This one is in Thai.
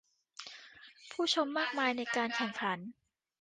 ผู้ชมมากมายในการแข่งขัน